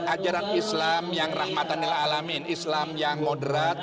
ajaran islam yang rahmatan ilalamin islam yang moderat